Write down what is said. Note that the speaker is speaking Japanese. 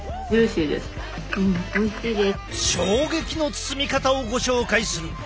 衝撃の包み方をご紹介する。